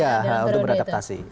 ya untuk beradaptasi